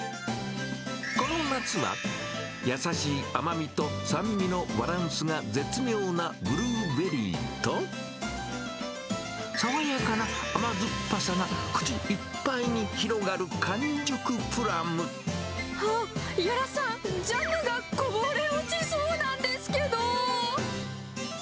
この夏は、優しい甘みと酸味のバランスが絶妙なブルーベリーと、爽やかな甘酸っぱさが口いっぱいに広がる、あっ、屋良さん、ジャムがこぼれ落ちそうなんですけど！